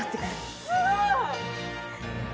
すごい！